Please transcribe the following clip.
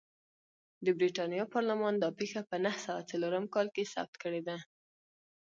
د برېټانیا پارلمان دا پېښه په نهه سوه څلورم کال کې ثبت کړې ده.